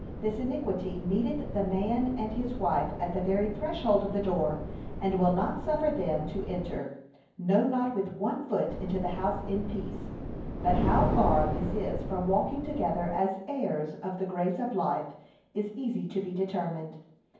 This iniquity meeteth the man and his wife at the very threshold of the door, and will not suffer them to enter, no not with one foot into the house in peace, but how far this is from walking together as heirs of the grace of life, is easy to be determined.